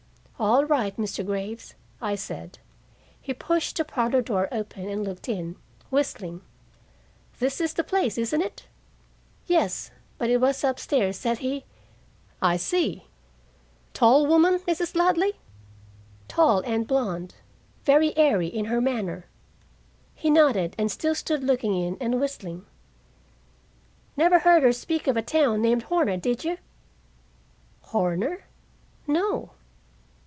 "All right, Mr. Graves," I said. He pushed the parlor door open and looked in, whistling. "This is the place, isn't it?" "Yes. But it was up stairs that he " "I see. Tall woman, Mrs. Ladley?" "Tall and blond. Very airy in her manner." He nodded and still stood looking in and whistling. "Never heard her speak of a town named Horner, did you?" "Horner? No."